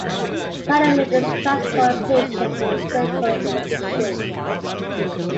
Paramedics transport patients in critical condition.